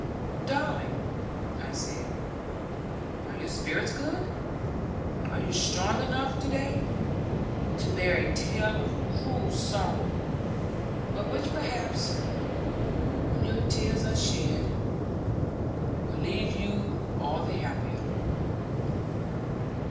'Darling,' I said, 'are your spirits good? Are you strong enough to day, to bear a tale of cruel sorrow; but which perhaps, when your tears are shed, will leave you all the happier?'